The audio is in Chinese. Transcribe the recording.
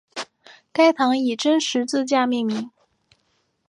该堂以真十字架命名。